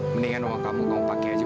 mendingan uang kamu kamu pakai aja